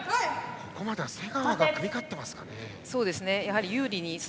ここまで瀬川が組み勝っていますかね。